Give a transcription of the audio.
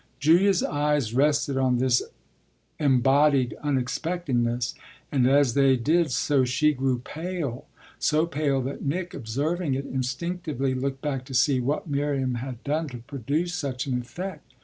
Julia's eyes rested on this embodied unexpectedness, and as they did so she grew pale so pale that Nick, observing it, instinctively looked back to see what Miriam had done to produce such an effect.